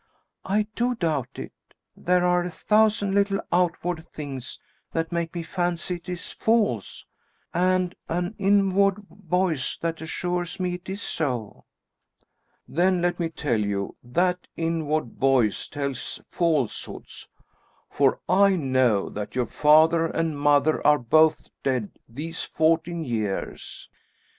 "I do doubt it! There are a thousand little outward things that make me fancy it is false, and an inward voice that assures me it is so." "Then let me tell you that inward voice tells falsehoods, for I know that your father and mother are both dead these fourteen years!"